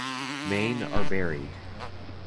Maine are buried.